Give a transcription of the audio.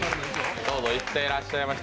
どうぞ行ってらっしゃいませ。